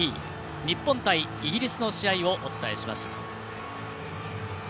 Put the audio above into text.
日本対イギリスの試合をお伝えします。